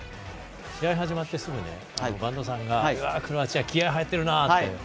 試合始まってすぐ播戸さんがうわー、クロアチア気合い入ってるなって。